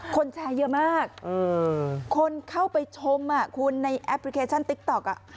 คนแชร์เยอะมากคนเข้าไปชมคุณในแอปพลิเคชันติ๊กต๊อก